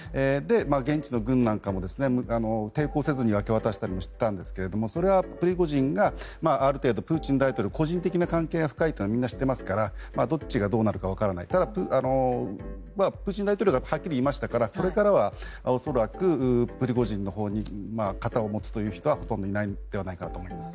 現地の軍も抵抗せずに明け渡ししていましたがそれはプリゴジンがある程度、プーチン大統領個人的な関係が深いからみんな知っていますからどっちがどうなるか分からないがプーチン大統領がはっきり言いましたからこれからは恐らくプリゴジンのほうに肩を持つという人はほとんどいないと思います。